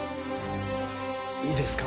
いいですか？